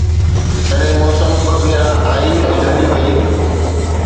جڏهن موسم ٻه ڀيرا آئي ۽ هلي وئي